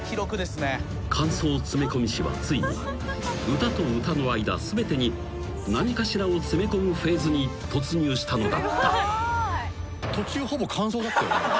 ［間奏詰め込み史はついに歌と歌の間全てに何かしらを詰め込むフェーズに突入したのだった］